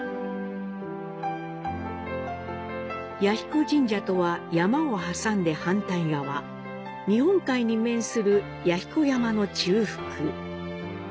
彌彦神社とは山を挟んで反対側、日本海に面する弥彦山の中腹。